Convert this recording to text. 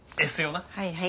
はいはい。